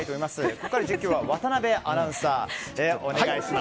ここから実況は渡辺アナウンサーお願いします。